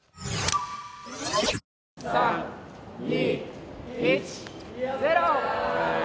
３、２、１、０。